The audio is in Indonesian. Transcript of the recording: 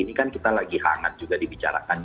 ini kan kita lagi hangat juga dibicarakan